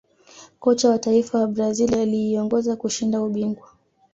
Kocha wa taifa wa brazil aliiongoza kushinda ubingwa